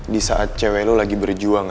di saat cewek lo lagi berjuang